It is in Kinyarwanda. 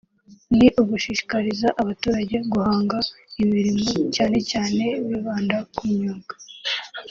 ni ugushishikariza abaturage guhanga imirimo cyane cyane bibanda ku myuga